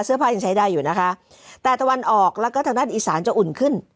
ผ้ายังใช้ได้อยู่นะคะแต่ตะวันออกแล้วก็ทางด้านอีสานจะอุ่นขึ้น